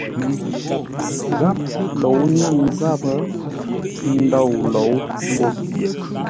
Gháp lǒu nyáŋ záp ndôu lǒu mbó pye.